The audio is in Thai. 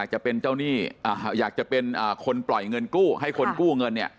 ใครอยากจะเป็นคนปล่อยเงินกู้ให้คนกู้เงินเนี่ย